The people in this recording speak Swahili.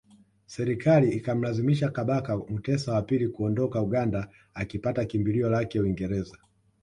Serikali ikamlazimisha Kabaka Mutesa wa pili kuondoka Uganda akipata kimbilio lake Uingereza